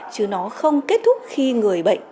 chứ nó không kết thúc khi người bệnh